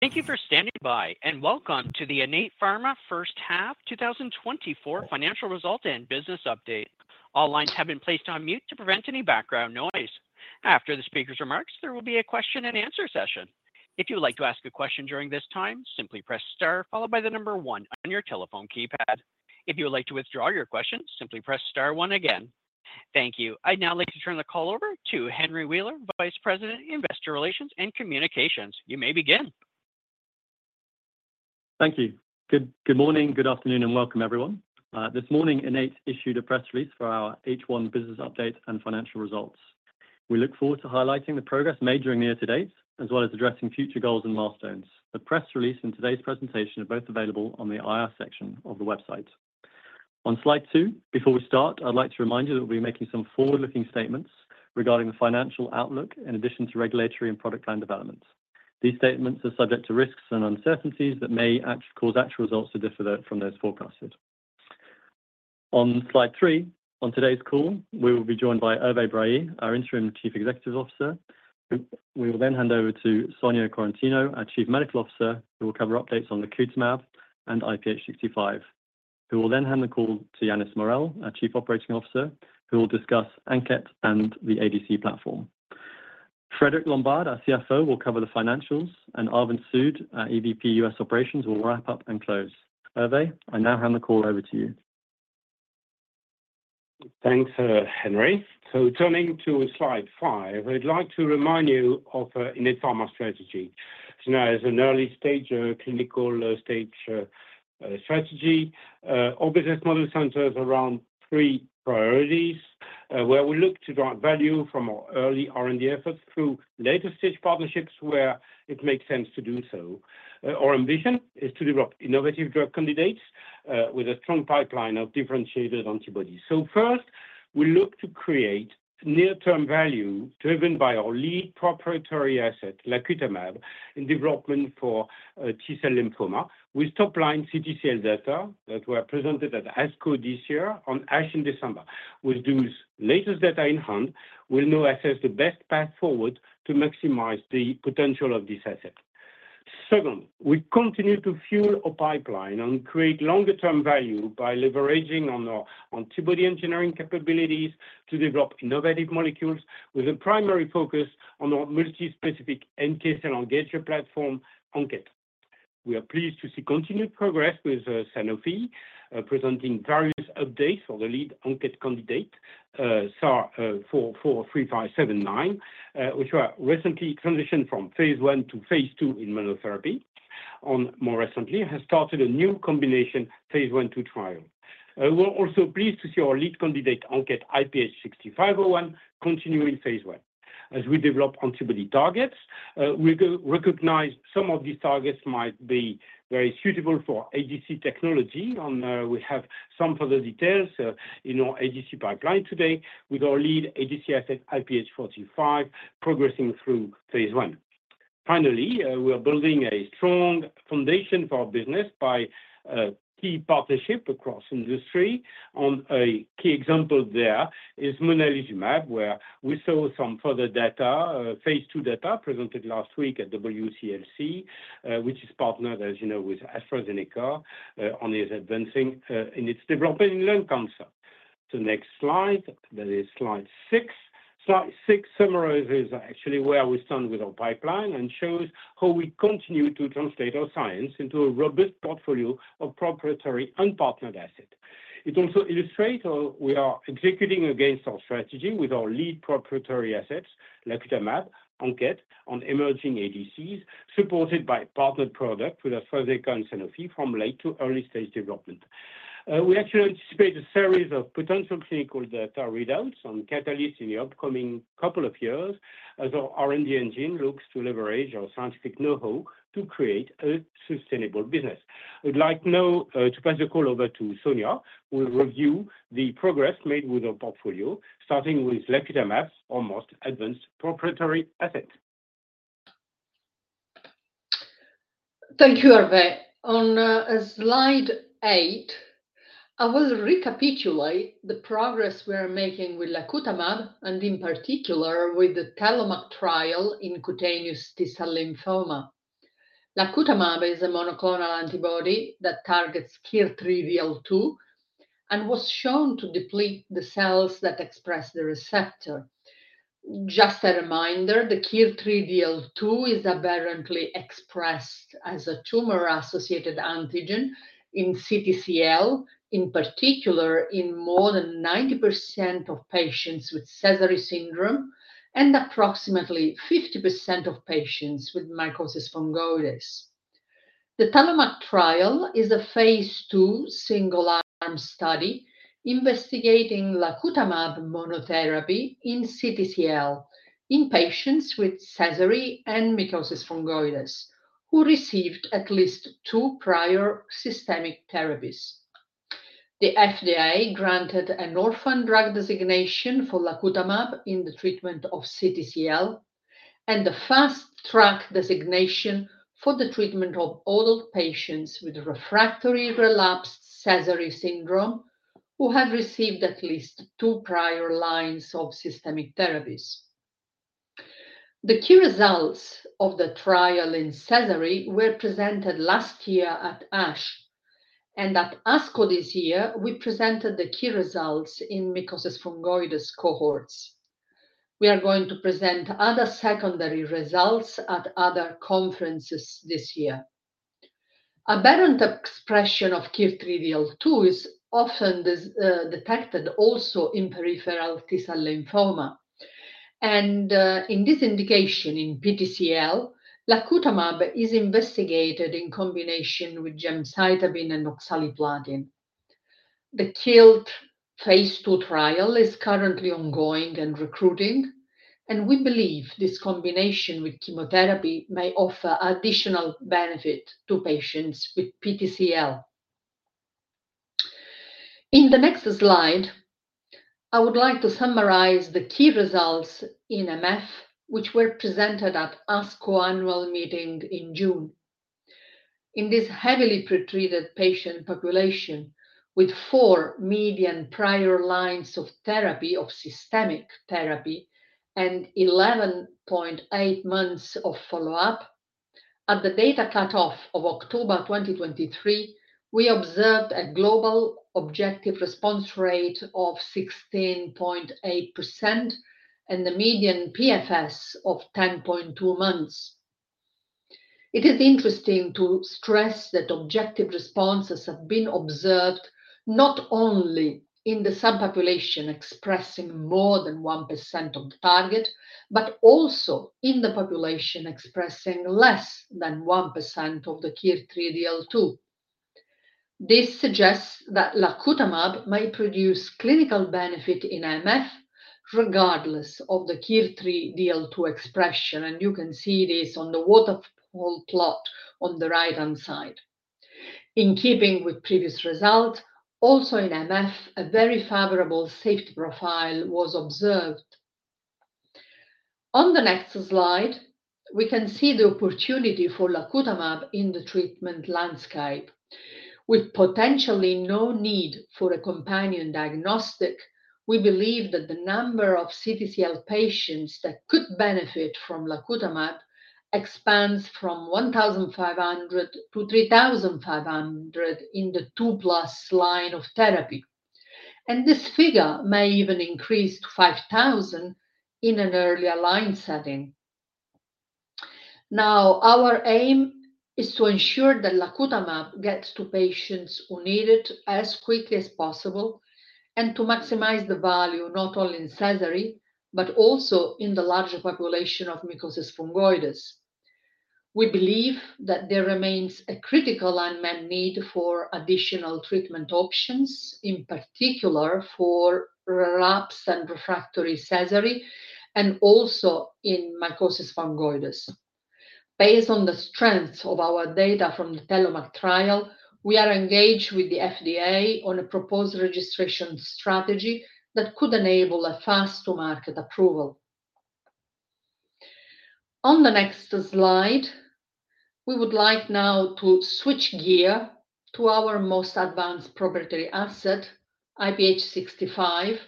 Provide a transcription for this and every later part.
Thank you for standing by, and welcome to the Innate Pharma First Half 2024 Financial Result and Business Update. All lines have been placed on mute to prevent any background noise. After the speaker's remarks, there will be a question and answer session. If you would like to ask a question during this time, simply press star followed by the number one on your telephone keypad. If you would like to withdraw your question, simply press star one again. Thank you. I'd now like to turn the call over to Henry Wheeler, Vice President, Investor Relations and Communications. You may begin. Thank you. Good morning, good afternoon, and welcome, everyone. This morning, Innate issued a press release for our H1 business update and financial results. We look forward to highlighting the progress made during the year to date, as well as addressing future goals and milestones. The press release and today's presentation are both available on the IR section of the website. On Slide Two, before we start, I'd like to remind you that we'll be making some forward-looking statements regarding the financial outlook, in addition to regulatory and product line developments. These statements are subject to risks and uncertainties that may cause actual results to differ from those forecasted. On Slide Three, on today's call, we will be joined by Hervé Brailly, our Interim Chief Executive Officer. We will then hand over to Sonia Quaratino, our Chief Medical Officer, who will cover updates on the lacutamab and IPH65. Who will then hand the call to Yannis Morel, our Chief Operating Officer, who will discuss ANKET and the ADC platform. Frédéric Lombard, our CFO, will cover the financials, and Arvind Sood, our EVP US Operations, will wrap up and close. Hervé, I now hand the call over to you. Thanks, Henry. So turning to Slide Five, I'd like to remind you of Innate Pharma's strategy. So now as an early-stage clinical-stage strategy, our business model centers around three priorities, where we look to drive value from our early R&D efforts through later-stage partnerships where it makes sense to do so. Our ambition is to develop innovative drug candidates with a strong pipeline of differentiated antibodies. So first, we look to create near-term value, driven by our lead proprietary asset, lacutamab, in development for T cell lymphoma, with top-line CTCL data that were presented at ASCO this year and at ASH in December. With those latest data in hand, we'll now assess the best path forward to maximize the potential of this asset. Second, we continue to fuel our pipeline and create longer term value by leveraging on our antibody engineering capabilities to develop innovative molecules, with a primary focus on our multi-specific NK cell engagement platform, ANKET. We are pleased to see continued progress with Sanofi presenting various updates for the lead ANKET candidate SAR 443579, which was recently transitioned from phase I to phase II in monotherapy, and more recently, has started a new combination phase I/II trial. We're also pleased to see our lead candidate, ANKET IPH6501, continue in phase I. As we develop antibody targets, we also recognize some of these targets might be very suitable for ADC technology, and we have some further details in our ADC pipeline today with our lead ADC asset, IPH45, progressing through phase I. Finally, we are building a strong foundation for our business by a key partnership across industry. On a key example there is monalizumab, where we saw some further data, phase II data, presented last week at WCLC, which is partnered, as you know, with AstraZeneca, which is advancing in its development in lung cancer. So next slide, that is Slide Six. Slide Six summarizes actually where we stand with our pipeline and shows how we continue to translate our science into a robust portfolio of proprietary and partnered assets. It also illustrates how we are executing against our strategy with our lead proprietary assets, lacutamab, ANKET, and emerging ADCs, supported by partnered products with AstraZeneca and Sanofi from late to early stage development. We actually anticipate a series of potential clinical data readouts on catalysts in the upcoming couple of years, as our R&D engine looks to leverage our scientific know-how to create a sustainable business. I'd like now to pass the call over to Sonia, who will review the progress made with our portfolio, starting with lacutamab, our most advanced proprietary asset. Thank you, Hervé. On Slide Eight, I will recapitulate the progress we are making with lacutamab, and in particular, with the TELLOMAK trial in cutaneous T cell lymphoma. Lacutamab is a monoclonal antibody that targets KIR3DL2, and was shown to deplete the cells that express the receptor. Just a reminder, the KIR3DL2 is aberrantly expressed as a tumor-associated antigen in CTCL, in particular, in more than 90% of patients with Sézary syndrome and approximately 50% of patients with mycosis fungoides. The TELLOMAK trial is a phase II single arm study investigating lacutamab monotherapy in CTCL, in patients with Sézary and mycosis fungoides, who received at least two prior systemic therapies. The FDA granted an orphan drug designation for lacutamab in the treatment of CTCL, and a fast track designation for the treatment of adult patients with refractory relapsed Sézary syndrome... who have received at least two prior lines of systemic therapies. The key results of the trial in Sézary were presented last year at ASH, and at ASCO this year, we presented the key results in mycosis fungoides cohorts. We are going to present other secondary results at other conferences this year. Aberrant expression of KIR3DL2 is often detected also in peripheral T cell lymphoma. And in this indication, in PTCL, lacutamab is investigated in combination with gemcitabine and oxaliplatin. The KILT phase II trial is currently ongoing and recruiting, and we believe this combination with chemotherapy may offer additional benefit to patients with PTCL. In the next slide, I would like to summarize the key results in MF, which were presented at ASCO annual meeting in June. In this heavily pretreated patient population, with four median prior lines of therapy, of systemic therapy, and 11.8 months of follow-up, at the data cutoff of October 2023, we observed a global objective response rate of 16.8% and the median PFS of 10.2 months. It is interesting to stress that objective responses have been observed, not only in the subpopulation expressing more than 1% of the target, but also in the population expressing less than 1% of the KIR3DL2. This suggests that lacutamab may produce clinical benefit in MF, regardless of the KIR3DL2 expression, and you can see this on the waterfall plot on the right-hand side. In keeping with previous results, also in MF, a very favorable safety profile was observed. On the next slide, we can see the opportunity for lacutamab in the treatment landscape. With potentially no need for a companion diagnostic, we believe that the number of CTCL patients that could benefit from lacutamab expands from 1500 to 3500 in the two plus line of therapy, and this figure may even increase to 5000 in an earlier line setting. Now, our aim is to ensure that lacutamab gets to patients who need it as quickly as possible, and to maximize the value, not only in Sézary, but also in the larger population of mycosis fungoides. We believe that there remains a critical unmet need for additional treatment options, in particular for relapsed and refractory Sézary, and also in mycosis fungoides. Based on the strength of our data from the TELLOMAK trial, we are engaged with the FDA on a proposed registration strategy that could enable a fast-to-market approval. On the next slide, we would like now to switch gear to our most advanced proprietary asset, IPH65,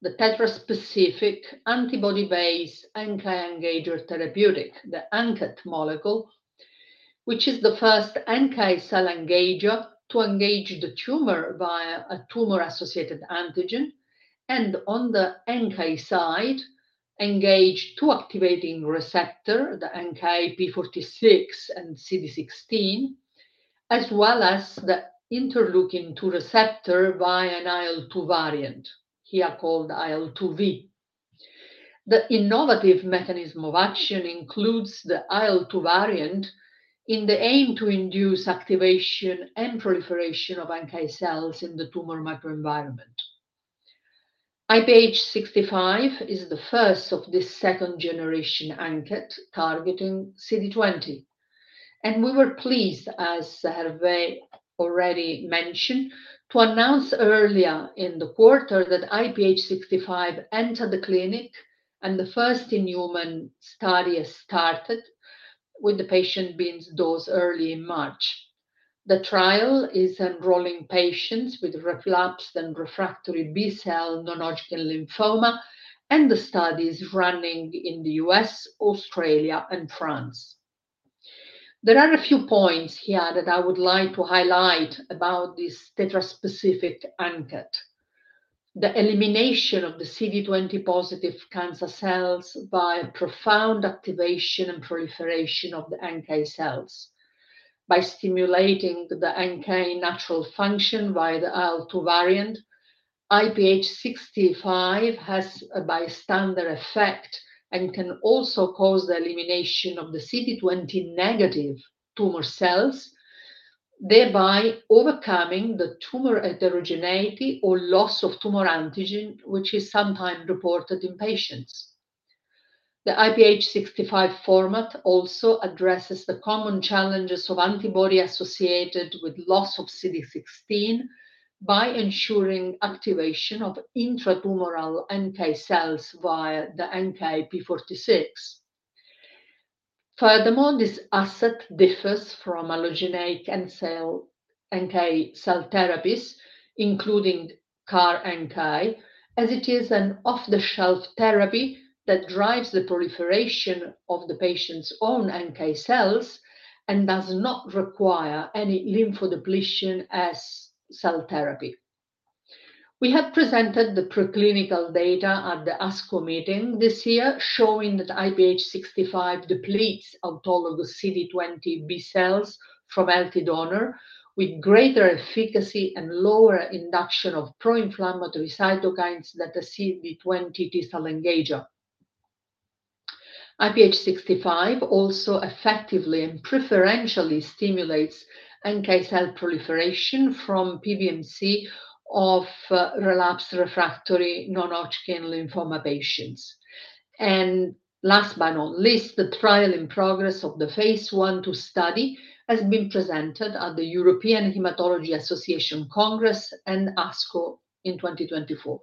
the tetra-specific antibody-based NK engager therapeutic, the ANKET molecule, which is the first NK cell engager to engage the tumor via a tumor-associated antigen, and on the NK side, engage two activating receptor, the NKp46 and CD16, as well as the interleukin-2 receptor via an IL-2 variant, here called IL-2V. The innovative mechanism of action includes the IL-2 variant in the aim to induce activation and proliferation of NK cells in the tumor microenvironment. IPH65 is the first of this second generation ANKET targeting CD20, and we were pleased, as Hervé already mentioned, to announce earlier in the quarter that IPH65 entered the clinic, and the first in human study has started, with the patient being dosed early in March. The trial is enrolling patients with relapsed and refractory B cell non-Hodgkin lymphoma, and the study is running in the U.S., Australia, and France. There are a few points here that I would like to highlight about this tetra-specific ANKET. The elimination of the CD20 positive cancer cells by profound activation and proliferation of the NK cells. By stimulating the NK natural function via the IL-2 variant, IPH65 has a bystander effect and can also cause the elimination of the CD20 negative tumor cells, thereby overcoming the tumor heterogeneity or loss of tumor antigen, which is sometimes reported in patients. The IPH65 format also addresses the common challenges of antibody associated with loss of CD16 by ensuring activation of intratumoral NK cells via the NKp46. Furthermore, this asset differs from allogeneic and cell NK cell therapies, including CAR-NK, as it is an off-the-shelf therapy that drives the proliferation of the patient's own NK cells and does not require any lymphodepletion as cell therapy. We have presented the preclinical data at the ASCO meeting this year, showing that IPH65 depletes autologous CD20 B cells from healthy donor with greater efficacy and lower induction of pro-inflammatory cytokines that the CD20 T cell engager. IPH65 also effectively and preferentially stimulates NK cell proliferation from PBMC of relapsed refractory non-Hodgkin lymphoma patients. And last but not least, the trial in progress of the phase I to study has been presented at the European Hematology Association Congress and ASCO in 2024.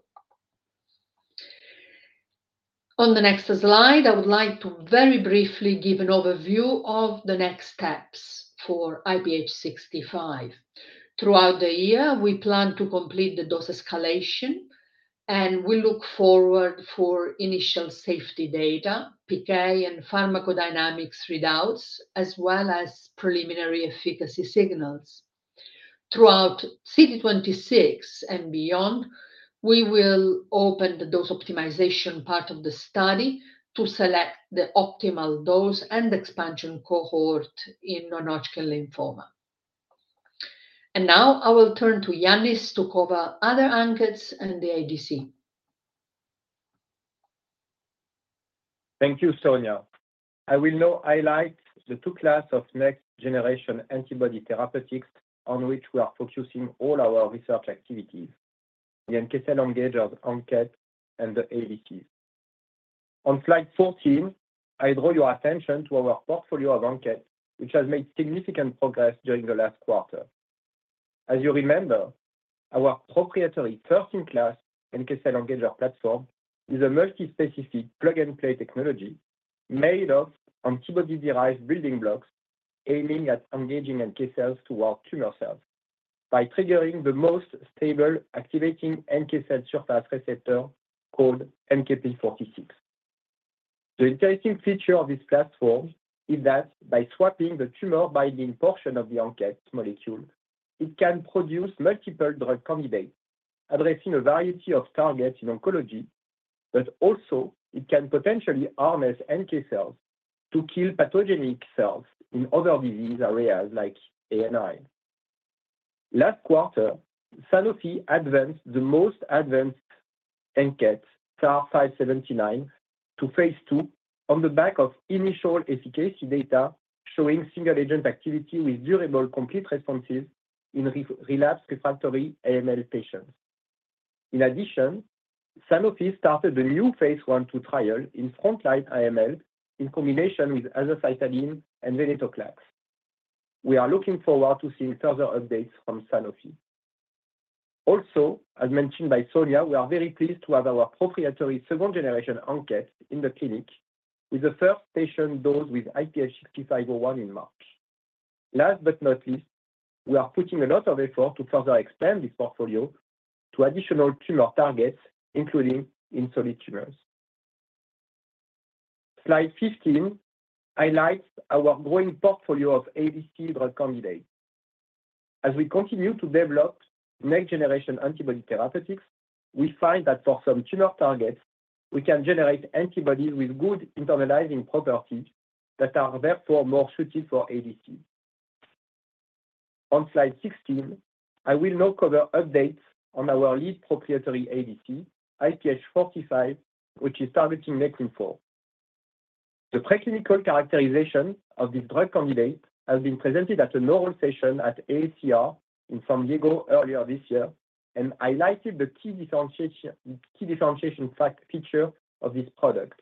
On the next slide, I would like to very briefly give an overview of the next steps for IPH65. Throughout the year, we plan to complete the dose escalation, and we look forward for initial safety data, PK, and pharmacodynamics readouts, as well as preliminary efficacy signals. Throughout 2026 and beyond, we will open the dose optimization part of the study to select the optimal dose and expansion cohort in non-Hodgkin lymphoma, and now I will turn to Yannis to cover other ANKETs and the ADC. Thank you, Sonia. I will now highlight the two classes of next generation antibody therapeutics on which we are focusing all our research activities, the NK cell engager, ANKET, and the ADCs. On Slide 14, I draw your attention to our portfolio of ANKET, which has made significant progress during the last quarter. As you remember, our proprietary first-in-class NK cell engager platform is a multi-specific plug-and-play technology made of antibody-derived building blocks, aiming at engaging NK cells toward tumor cells by triggering the most stable activating NK cell surface receptor called NKp46. The interesting feature of this platform is that by swapping the tumor-binding portion of the ANKET molecule, it can produce multiple drug candidates, addressing a variety of targets in oncology, but also it can potentially harness NK cells to kill pathogenic cells in other disease areas like A&I. Last quarter, Sanofi advanced the most advanced ANKET, 443579, to phase II on the back of initial efficacy data, showing single-agent activity with durable complete responses in relapsed-refractory AML patients. In addition, Sanofi started a new phase I/II trial in frontline AML in combination with azacitidine and venetoclax. We are looking forward to seeing further updates from Sanofi. Also, as mentioned by Sonia, we are very pleased to have our proprietary second-generation ANKET in the clinic, with the first patient dosed with IPH6501 in March. Last but not least, we are putting a lot of effort to further expand this portfolio to additional tumor targets, including in solid tumors. Slide 15 highlights our growing portfolio of ADC drug candidates. As we continue to develop next-generation antibody therapeutics, we find that for some tumor targets, we can generate antibodies with good internalizing properties that are therefore more suited for ADC. On Slide 16, I will now cover updates on our lead proprietary ADC, IPH45, which is targeting Nectin-4. The preclinical characterization of this drug candidate has been presented at an oral session at AACR in San Diego earlier this year, and highlighted the key differentiating feature of this product.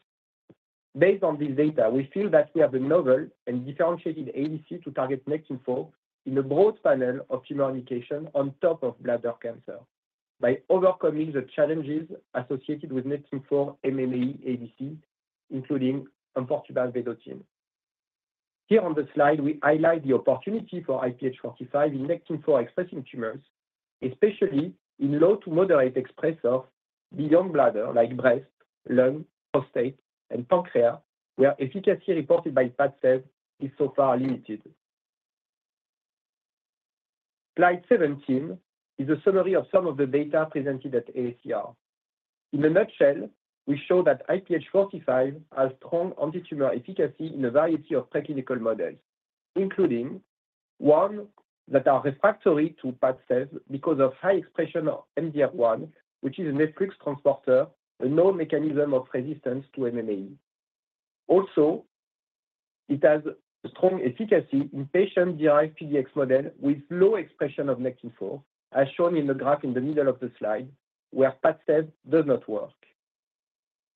Based on this data, we feel that we have a novel and differentiated ADC to target Nectin-4 in a broad panel of tumor indications on top of bladder cancer, by overcoming the challenges associated with Nectin-4 MMAE ADCs, including enfortumab vedotin. Here on the slide, we highlight the opportunity for IPH45 in Nectin-4-expressing tumors, especially in low to moderate expressors beyond bladder, like breast, lung, prostate, and pancreas, where efficacy reported by Padcev is so far limited. Slide 17 is a summary of some of the data presented at AACR. In a nutshell, we show that IPH45 has strong antitumor efficacy in a variety of preclinical models, including ones that are refractory to Padcev because of high expression of MDR1, which is an efflux transporter and novel mechanism of resistance to MMAE. Also, it has strong efficacy in patient-derived PDX models with low expression of Nectin-4, as shown in the graph in the middle of the slide, where Padcev does not work.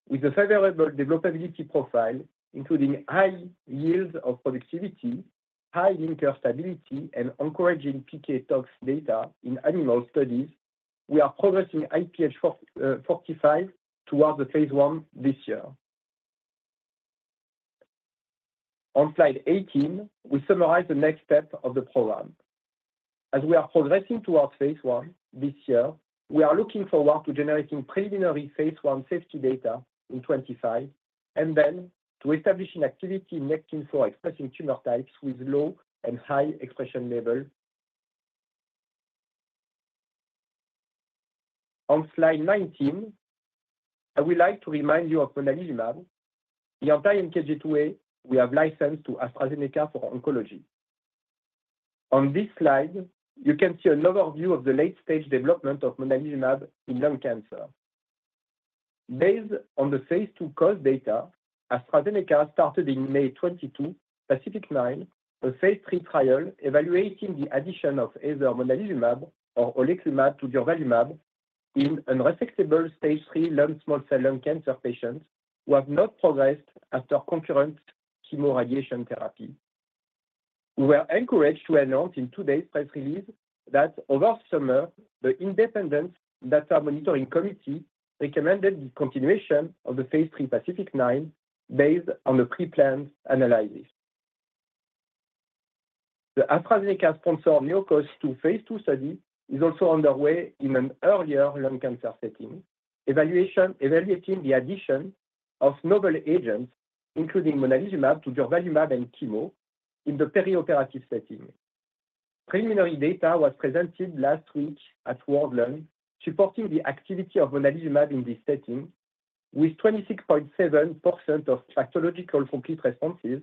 With a favorable developability profile, including high yields of productivity, high linker stability, and encouraging PK tox data in animal studies-... We are progressing IPH45 towards the phase I this year. On Slide 18, we summarize the next step of the program. As we are progressing towards phase I this year, we are looking forward to generating preliminary phase I safety data in 2025, and then to establishing activity in Nectin-4 expressing tumor types with low and high expression level. On Slide 19, I would like to remind you of monalizumab, the anti-NKG2A we have licensed to AstraZeneca for oncology. On this slide, you can see an overview of the late-stage development of monalizumab in lung cancer. Based on the phase II COAST data, AstraZeneca started in May 2022, PACIFIC-9, a phase II trial evaluating the addition of either monalizumab or oleclumab to durvalumab in unresectable Stage 3 non-small cell lung cancer patients who have not progressed after concurrent chemoradiation therapy. We were encouraged to announce in today's press release that over summer, the independent data monitoring committee recommended the continuation of the phase III PACIFIC-9 based on the pre-planned analysis. The AstraZeneca-sponsored NeoCOAST-2 phase II study is also underway in an earlier lung cancer setting, evaluating the addition of novel agents, including monalizumab, to durvalumab and chemo in the perioperative setting. Preliminary data was presented last week at WCLC, supporting the activity of monalizumab in this setting, with 26.7% of pathological complete responses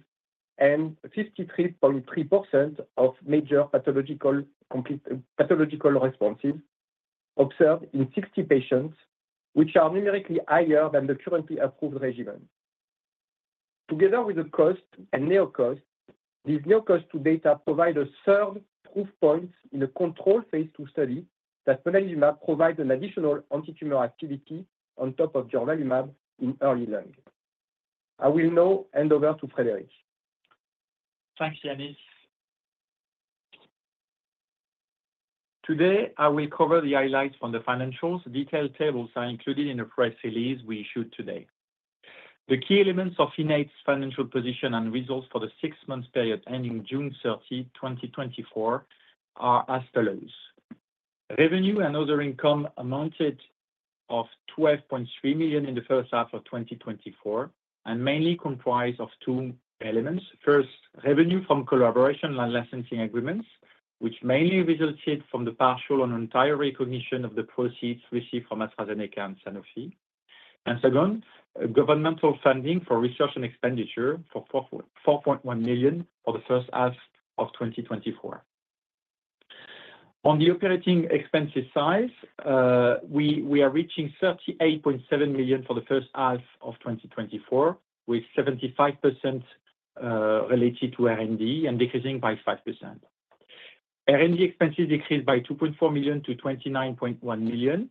and 53.3% of major pathological complete responses observed in 60 patients, which are numerically higher than the currently approved regimen. Together with the COAST and NEOCOAST, these NeoCOAST-2 data provide a third proof point in a controlled phase II study that monalizumab provides an additional antitumor activity on top of durvalumab in early lung. I will now hand over to Frédéric. Thanks, Yannis. Today, I will cover the highlights from the financials. Detailed tables are included in the press release we issued today. The key elements of Innate's financial position and results for the six-month period ending June 30, 2024, are as follows: Revenue and other income amounted to 12.3 million in the first half of 2024, and mainly comprised of two elements. First, revenue from collaboration and licensing agreements, which mainly resulted from the partial and entire recognition of the proceeds received from AstraZeneca and Sanofi. And second, governmental funding for research and expenditure for 4.1 million for the first half of 2024. On the operating expenses side, we are reaching 38.7 million for the first half of 2024, with 75% related to R&D and decreasing by 5%. R&D expenses decreased by 2.4 million to 29.1 million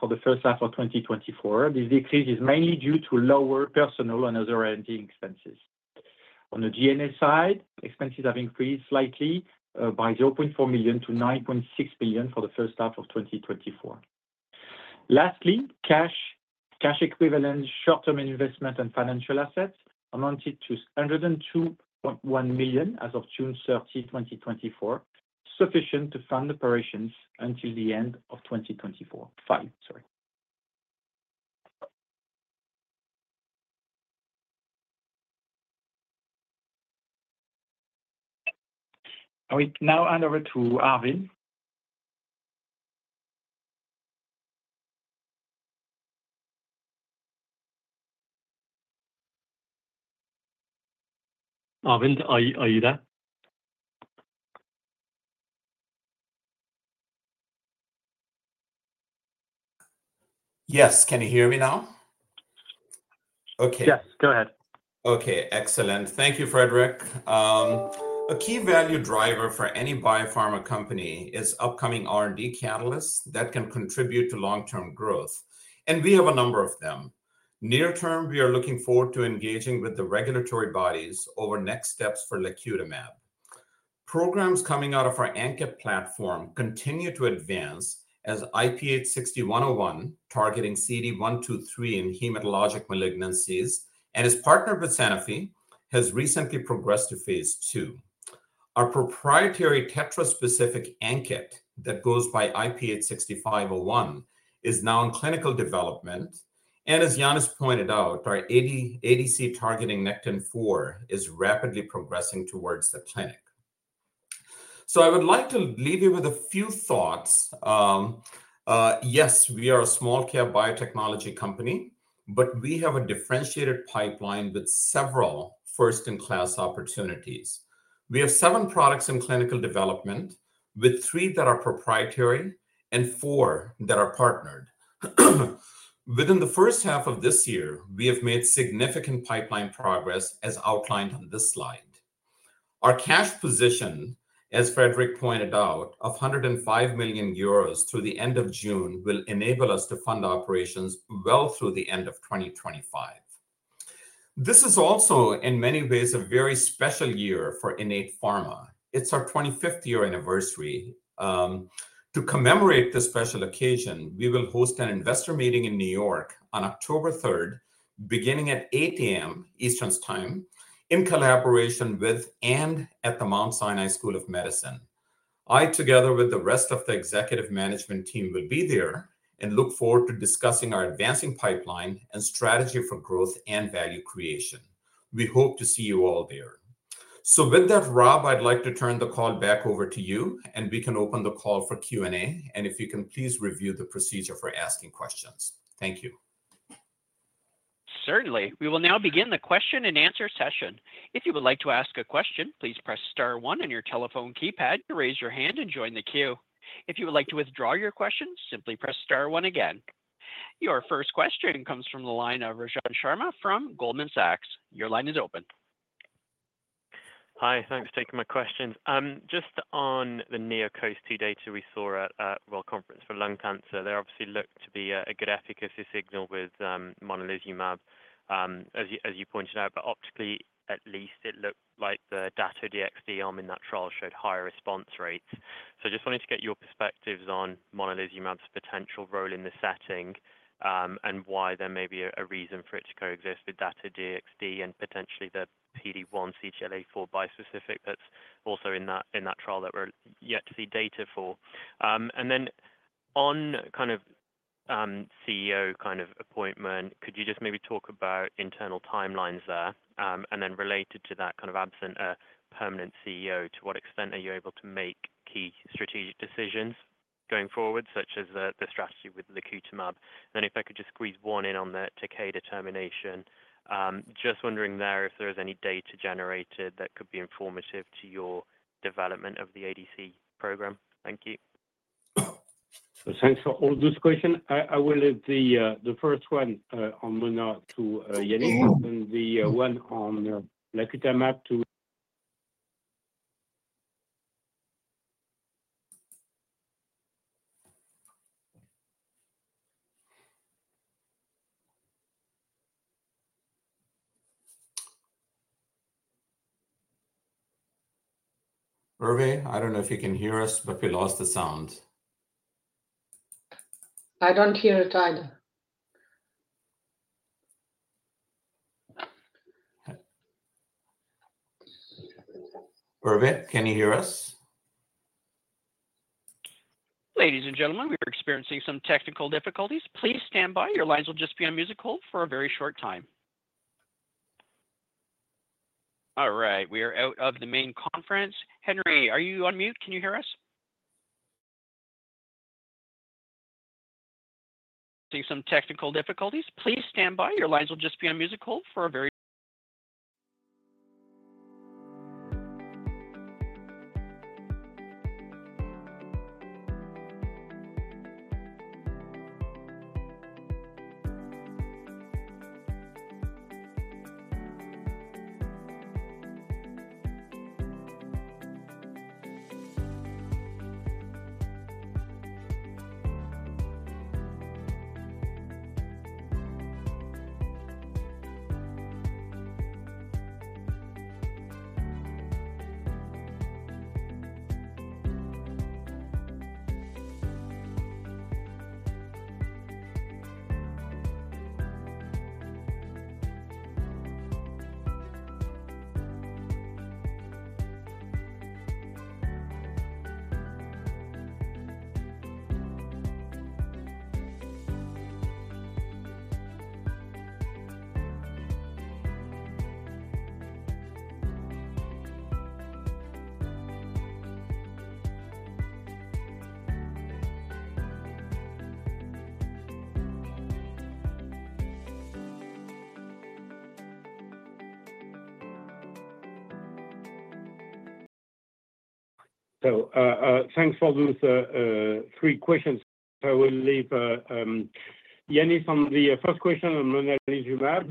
for the first half of 2024. This decrease is mainly due to lower personnel and other R&D expenses. On the G&A side, expenses have increased slightly by 0.4 million to 9.6 million for the first half of 2024. Lastly, cash, cash equivalents, short-term investments, and financial assets amounted to 102.1 million as of June 30, 2024, sufficient to fund operations until the end of 2024. 2025, sorry. I will now hand over to Arvind. Arvind, are you there? Yes. Can you hear me now? Okay. Yes, go ahead. Okay, excellent. Thank you, Frédéric. A key value driver for any biopharma company is upcoming R&D catalysts that can contribute to long-term growth, and we have a number of them. Near term, we are looking forward to engaging with the regulatory bodies over next steps for lacutamab. Programs coming out of our ANKET platform continue to advance as IPH6101, targeting CD123 in hematologic malignancies, and as partnered with Sanofi, has recently progressed to phase II. Our proprietary tetra-specific ANKET, that goes by IPH6501, is now in clinical development. As Yannis pointed out, our ADC targeting Nectin-4 is rapidly progressing towards the clinic. I would like to leave you with a few thoughts. Yes, we are a small-cap biotechnology company, but we have a differentiated pipeline with several first-in-class opportunities. We have seven products in clinical development, with three that are proprietary and four that are partnered. Within the first half of this year, we have made significant pipeline progress, as outlined on this slide. Our cash position, as Frédéric pointed out, of 105 million euros through the end of June, will enable us to fund operations well through the end of 2025. This is also, in many ways, a very special year for Innate Pharma. It's our25th year anniversary. To commemorate this special occasion, we will host an investor meeting in New York on October 3rd, beginning at 8:00 A.M. Eastern Time, in collaboration with and at the Mount Sinai School of Medicine. I, together with the rest of the executive management team, will be there and look forward to discussing our advancing pipeline and strategy for growth and value creation. We hope to see you all there. So with that, Rob, I'd like to turn the call back over to you, and we can open the call for Q&A. And if you can, please review the procedure for asking questions. Thank you. Certainly. We will now begin the question and answer session. If you would like to ask a question, please press star one on your telephone keypad to raise your hand and join the queue. If you would like to withdraw your question, simply press star one again. Your first question comes from the line of Rajan Sharma from Goldman Sachs. Your line is open. Hi, thanks for taking my questions. Just on the NeoCOAST-2 data we saw at the World Conference on Lung Cancer, there obviously looked to be a good efficacy signal with monalizumab, as you pointed out, but optically, at least it looked like the Dato-DXd arm in that trial showed higher response rates, so just wanted to get your perspectives on monalizumab's potential role in this setting, and why there may be a reason for it to coexist with Dato-DXd and potentially the PD-1 CTLA-4 bispecific that's also in that trial that we're yet to see data for, and then on kind of CEO kind of appointment, could you just maybe talk about internal timelines there? And then related to that kind of absent a permanent CEO, to what extent are you able to make key strategic decisions going forward, such as the strategy with lacutamab? Then if I could just squeeze one in on the Takeda termination. Just wondering there if there is any data generated that could be informative to your development of the ADC program. Thank you. So thanks for all those questions. I will leave the first one on Mona to Yannis, and the one on lacutamab to- Hervé, I don't know if you can hear us, but we lost the sound. I don't hear it either. Hervé, can you hear us? Ladies and gentlemen, we are experiencing some technical difficulties. Please stand by. Your lines will just be on music hold for a very short time. All right, we are out of the main conference. Henry, are you on mute? Can you hear us? Some technical difficulties. Please stand by. Your lines will just be on music hold for a very. Thanks for those three questions. I will leave Yannis on the first question on monalizumab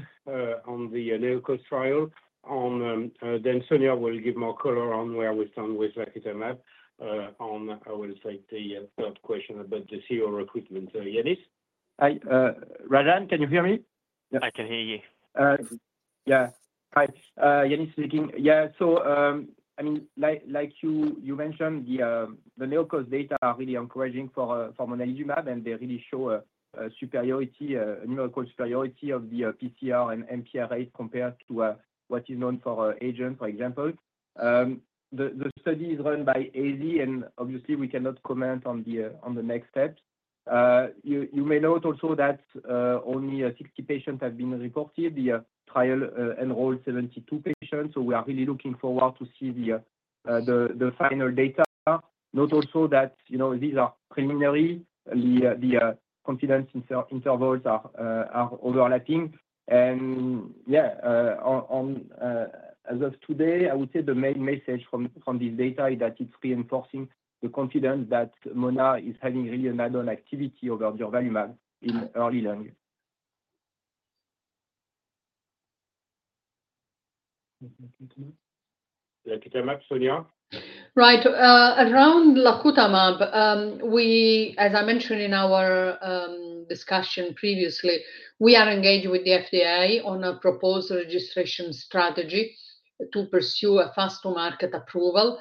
on the NEOCOAST trial. Then Sonia will give more color on where we stand with lacutamab on, I will say, the third question about the CEO recruitment. Yannis? Hi, Rajan, can you hear me? Yeah, I can hear you. Yeah. Hi, Yannis speaking. Yeah, so, I mean, like, like you mentioned, the NEOCOAST data are really encouraging for monalizumab, and they really show a superiority, you know, superiority of the pCR and MPR rate compared to what is known for our agent, for example. The study is run by AZ, and obviously, we cannot comment on the next steps. You may note also that only 60 patients have been reported. The trial enrolled 72 patients, so we are really looking forward to see the final data. Note also that, you know, these are preliminary. The confidence intervals are overlapping. And yeah, on, as of today, I would say the main message from this data is that it's reinforcing the confidence that Mona is having really an add-on activity above durvalumab in early lung. Mm-hmm. The lacutamab, Sonia? Right. Around lacutamab, as I mentioned in our discussion previously, we are engaged with the FDA on a proposed registration strategy to pursue a fast-to-market approval.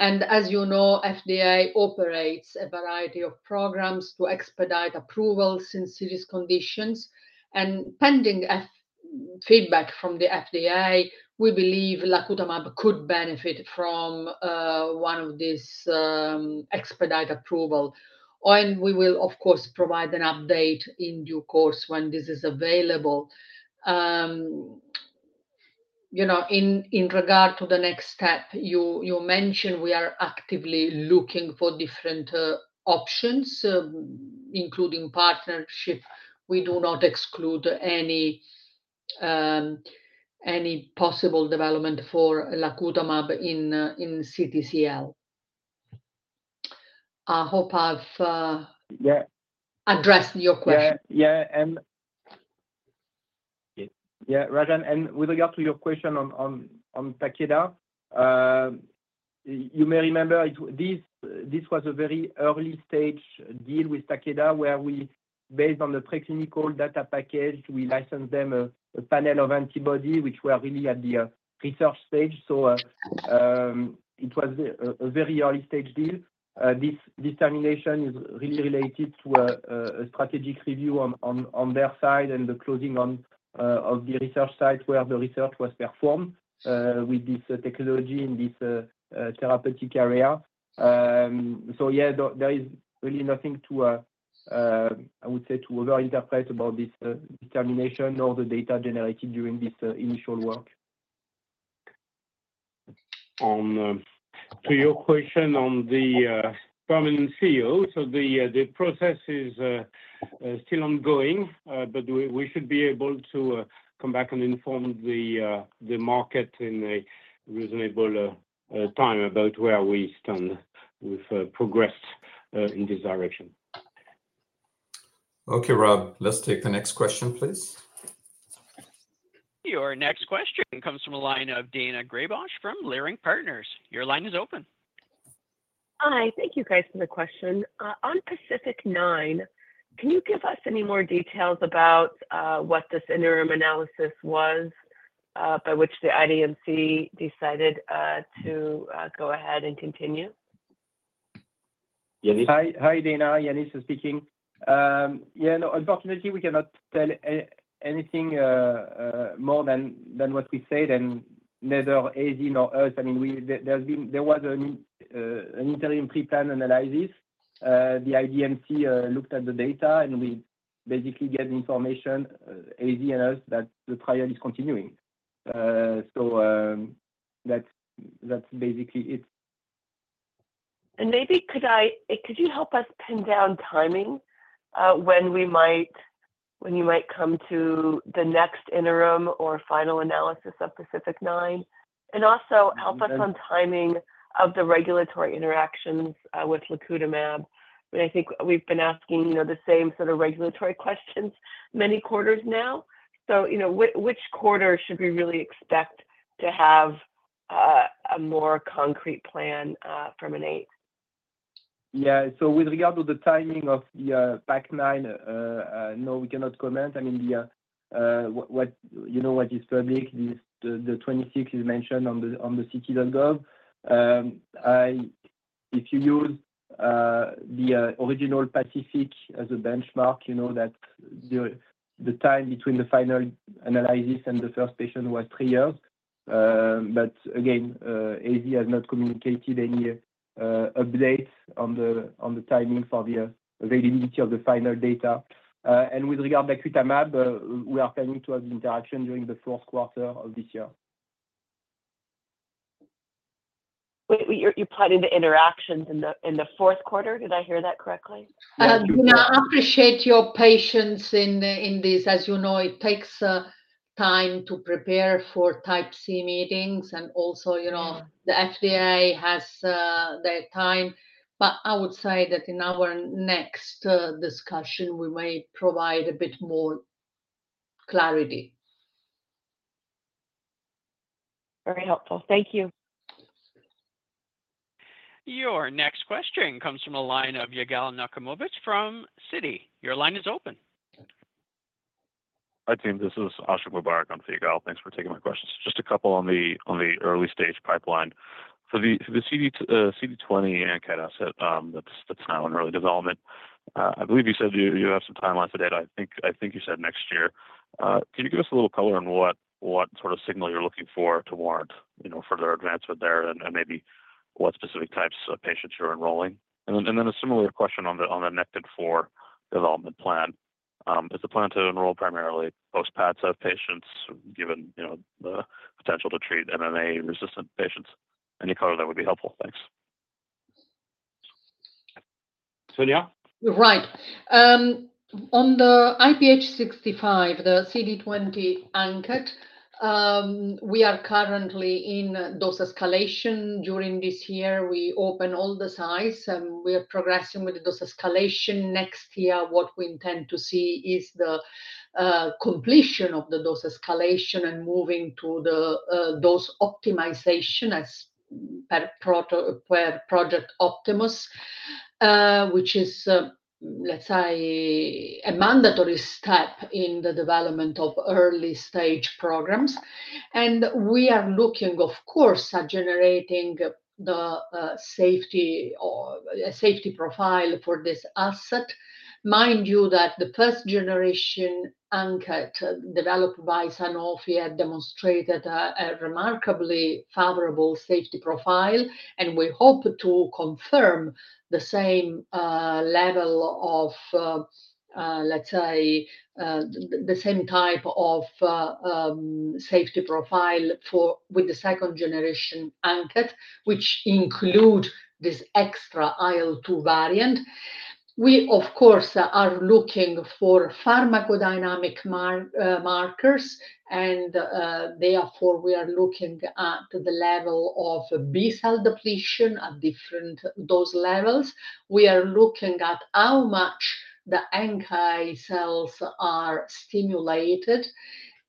And as you know, FDA operates a variety of programs to expedite approvals in serious conditions. And pending feedback from the FDA, we believe lacutamab could benefit from one of these expedite approval. And we will, of course, provide an update in due course when this is available. You know, in regard to the next step, you mentioned we are actively looking for different options, including partnership. We do not exclude any possible development for lacutamab in CTCL. I hope I've Yeah addressed your question. Yeah. Yeah, and yeah, Rajan, and with regard to your question on Takeda, you may remember it. This was a very early-stage deal with Takeda, where we, based on the preclinical data package, we licensed them a panel of antibody, which were really at the research stage. So, it was a very early-stage deal. This termination is really related to a strategic review on their side and the closing of the research site where the research was performed with this technology and this therapeutic area. So yeah, there is really nothing to, I would say, to over-interpret about this termination or the data generated during this initial work. On to your question on the permanent CEO, so the process is still ongoing, but we should be able to come back and inform the market in a reasonable time about where we stand with progress in this direction. Okay, Rob, let's take the next question, please. Your next question comes from the line of Daina Graybosch from Leerink Partners. Your line is open. Hi. Thank you, guys, for the question. On PACIFIC-9, can you give us any more details about what this interim analysis was by which the IDMC decided to go ahead and continue? Yannis? Hi. Hi, Daina. Yannis speaking. Yeah, no, unfortunately, we cannot tell anything more than what we said, and neither AZ nor us. I mean, there was an interim pre-planned analysis. The IDMC looked at the data, and we basically get information, AZ and us, that the trial is continuing. So, that's basically it. Could you help us pin down timing when you might come to the next interim or final analysis of PACIFIC-9? Also, help us on timing of the regulatory interactions with lacutamab. I think we've been asking, you know, the same sort of regulatory questions many quarters now. You know, which quarter should we really expect to have a more concrete plan from Innate? Yeah. So with regard to the timing of the PACIFIC-9, no, we cannot comment. I mean, you know, what is public is the twenty-sixth is mentioned on the clinicaltrials.gov. If you use the original PACIFIC as a benchmark, you know that the time between the final analysis and the first patient was three years. But again, AZ has not communicated any updates on the timing for the availability of the final data. And with regard to lacutamab, we are planning to have interaction during the fourth quarter of this year. Wait, you're planning the interactions in the fourth quarter? Did I hear that correctly? Daina, I appreciate your patience in this. As you know, it takes time to prepare for Type C meetings, and also, you know, the FDA has their time. But I would say that in our next discussion, we may provide a bit more clarity. Very helpful. Thank you. Your next question comes from a line of Yigal Nochomovitz from Citi. Your line is open. Hi, team. This is Ashiq Mubarack for Yigal. Thanks for taking my questions. Just a couple on the early-stage pipeline. So the CD20 ANKET asset, that's now in early development. I believe you said you have some timelines for that. I think you said next year. Can you give us a little color on what sort of signal you're looking for to warrant, you know, further advancement there, and maybe what specific types of patients you're enrolling? And then a similar question on the Nectin-4 development plan. Is the plan to enroll primarily post-Padcev patients, given, you know, the potential to treat MDR1-resistant patients? Any color, that would be helpful. Thanks. Sonia? Right. On the IPH65, the CD20 ANKET, we are currently in dose escalation. During this year, we open all the sites, and we are progressing with the dose escalation. Next year, what we intend to see is the completion of the dose escalation and moving to the dose optimization as per Project Optimus, which is, let's say, a mandatory step in the development of early stage programs. And we are looking, of course, at generating the safety or a safety profile for this asset. Mind you, that the first generation ANKET developed by Sanofi had demonstrated a remarkably favorable safety profile, and we hope to confirm the same level of, let's say, the same type of safety profile for with the second generation ANKET, which include this extra IL-2 variant. We, of course, are looking for pharmacodynamic markers and therefore we are looking at the level of B cell depletion at different dose levels. We are looking at how much the ANKET cells are stimulated,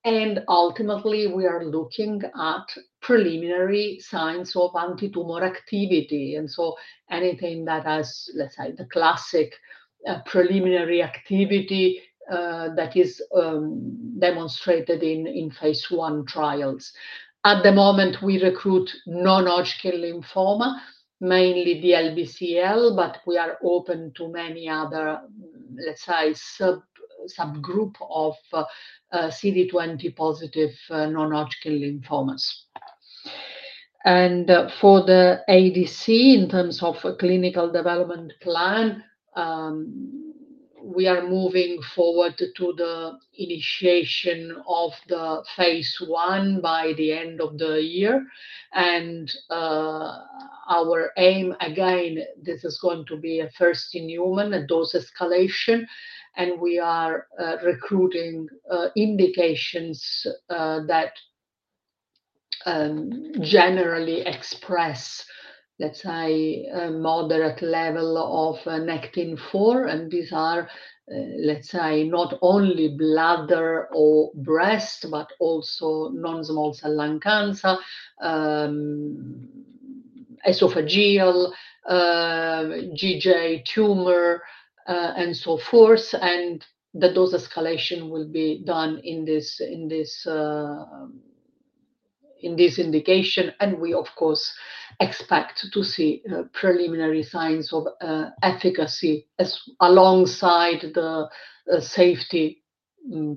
and ultimately, we are looking at preliminary signs of antitumor activity, and so anything that has, let's say, the classic preliminary activity that is demonstrated in phase I trials. At the moment, we recruit non-Hodgkin lymphoma, mainly the LBCL, but we are open to many other, let's say, subgroup of CD20 positive non-Hodgkin lymphomas, and for the ADC, in terms of a clinical development plan, we are moving forward to the initiation of the phase I by the end of the year. Our aim, again, this is going to be a first-in-human dose escalation, and we are recruiting indications that generally express, let's say, a moderate level of Nectin-4. These are, let's say, not only bladder or breast, but also non-small cell lung cancer, esophageal, GEJ tumor, and so forth. The dose escalation will be done in this indication, and we of course expect to see preliminary signs of efficacy alongside the safety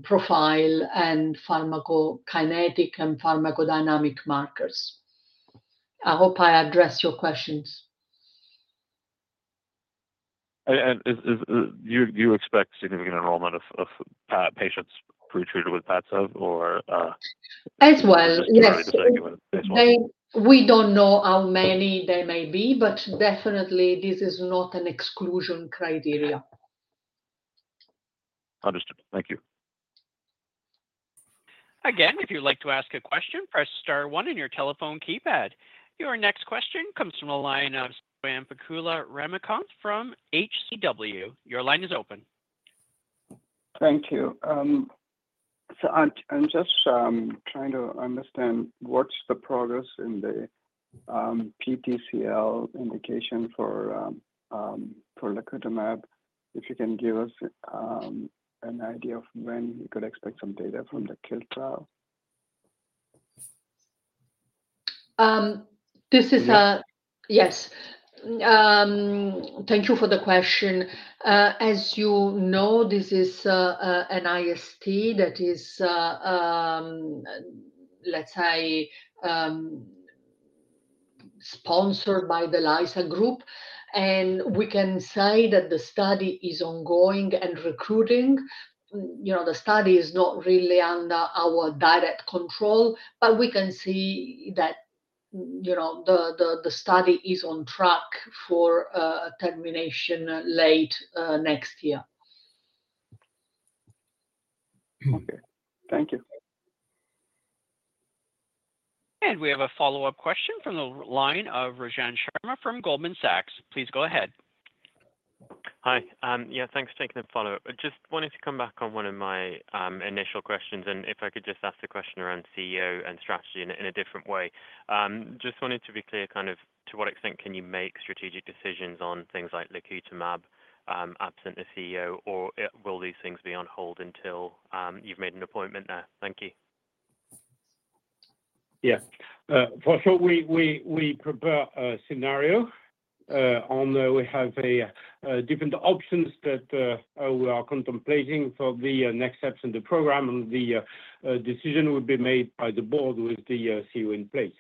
profile and pharmacokinetic and pharmacodynamic markers. I hope I addressed your questions. Do you expect significant enrollment of patients pretreated with Padcev or- As well, yes. Right. We don't know how many they may be, but definitely this is not an exclusion criteria. Understood. Thank you. Again, if you'd like to ask a question, press star one on your telephone keypad. Your next question comes from the line of Swayampakula Ramakanth from H.C.W. Your line is open. Thank you. So I'm just trying to understand what's the progress in the PTCL indication for lacutamab? If you can give us an idea of when we could expect some data from the KILT trial? Yes. Thank you for the question. As you know, this is an IST that is, let's say, sponsored by the LYSA Group, and we can say that the study is ongoing and recruiting. You know, the study is not really under our direct control, but we can see that, you know, the study is on track for a termination late next year. Okay. Thank you. We have a follow-up question from the line of Rajan Sharma from Goldman Sachs. Please go ahead. Hi. Yeah, thanks for taking the follow-up. I just wanted to come back on one of my initial questions, and if I could just ask the question around CEO and strategy in a different way. Just wanted to be clear, kind of, to what extent can you make strategic decisions on things like lacutamab, absent the CEO, or will these things be on hold until you've made an appointment there? Thank you. Yes. For sure, we prepare a scenario on different options that we are contemplating for the next steps in the program, and the decision will be made by the board with the CEO in place.